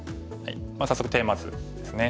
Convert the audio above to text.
早速テーマ図ですね。